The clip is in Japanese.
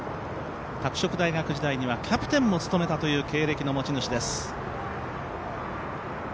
拓殖大学時代にはキャプテンも務めたという経歴の持ち主です。